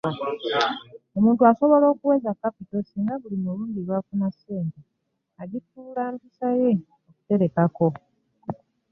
Omuntu asobola okuweza kapito singa buli mulundi lw’afuna ssente, agifuula mpisa ye okuterekangako.